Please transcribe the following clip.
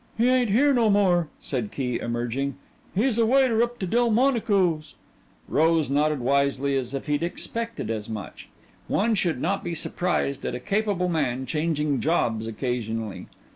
"He ain't here no more," said Key emerging. "He's a waiter up to Delmonico's." Rose nodded wisely, as if he'd expected as much. One should not be surprised at a capable man changing jobs occasionally.